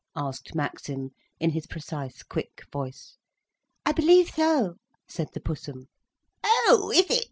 asked Maxim, in his precise, quick voice. "I believe so," said the Pussum. "Oh is it?